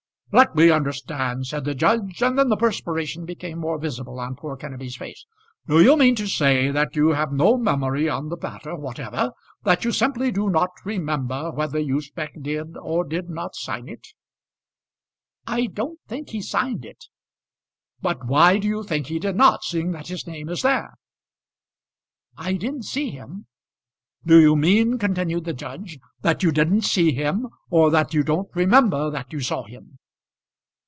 "Let me understand," said the judge and then the perspiration became more visible on poor Kenneby's face; "do you mean to say that you have no memory on the matter whatever? that you simply do not remember whether Usbech did or did not sign it?" "I don't think he signed it." "But why do you think he did not, seeing that his name is there?" "I didn't see him." "Do you mean," continued the judge, "that you didn't see him, or that you don't remember that you saw him?"